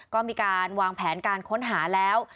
ก็มีการวางแผนการค้นหาแล้ว